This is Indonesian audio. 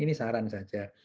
ini saran saja